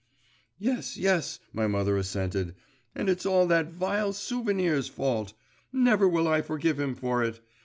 'Yes, yes,' my mother assented; 'and it's all that vile Souvenir's fault! Never will I forgive him for it.